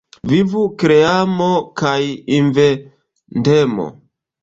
Vivu kreemo kaj inventemo.